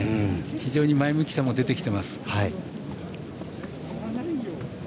非常に前向きさも出てきてます。